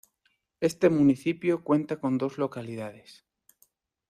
Este municipio cuenta con dos localidades.